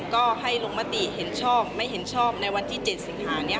ก็ให้ลงมติเห็นชอบไม่เห็นชอบในวันที่๗สิงหานี้